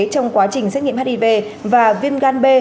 trong quá trình xét nghiệm hiv và viêm gan b